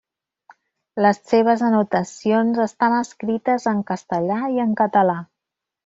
Les seves anotacions estan escrites en castellà i en català.